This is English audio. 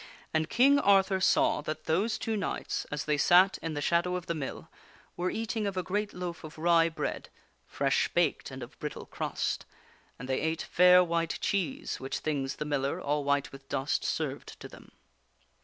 And King Arthur saw that those two knights, as they sat in the shadow of the mill, were eating of a great loaf of rye bread, fresh baked and of brittle crust ; and they ate fair white cheese, which things the miller, all white with dust, served to them.